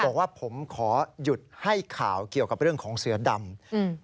บอกว่าผมขอหยุดให้ข่าวเกี่ยวกับเรื่องของเสือดำอืม